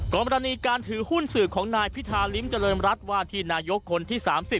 กรณีการถือหุ้นสื่อของนายพิธาริมเจริญรัฐว่าที่นายกคนที่๓๐